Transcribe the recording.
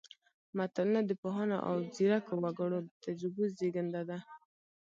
متلونه د پوهانو او ځیرکو وګړو د تجربو زېږنده ده